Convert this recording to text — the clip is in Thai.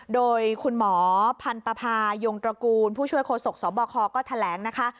โดยคุณหมอพันธภายงตระกูลผู้ช่วยโฆษกสบคก็แถลงนะคะ